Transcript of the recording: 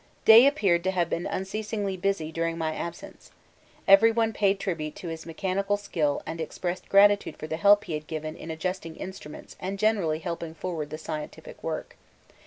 Day appeared to have been unceasingly busy during my absence. Everyone paid tribute to his mechanical skill and expressed gratitude for the help he had given in adjusting instruments and generally helping forward the scientific work.